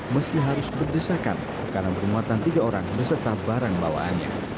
meski harus berdesakan karena bermuatan tiga orang beserta barang bawaannya